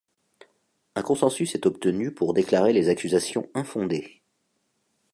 Un consensus est obtenu pour déclarer les accusations infondées.